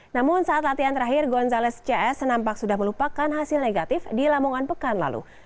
namun saat latihan terakhir gonzales cs nampak sudah melupakan hasil negatif di lamongan pekan lalu